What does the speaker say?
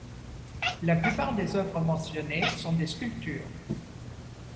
La plupart des œuvres mentionnées sont des sculptures.